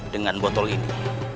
dengan botol ini